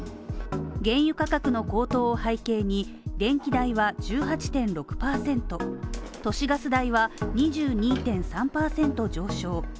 原油価格の高騰を背景に、電気代は１８．６％都市ガス代は２２．３％上昇。